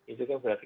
itu kan berarti